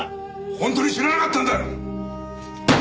本当に知らなかったんだ！